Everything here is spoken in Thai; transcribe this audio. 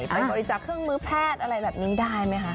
ไปบริจาคเครื่องมือแพทย์อะไรแบบนี้ได้ไหมคะ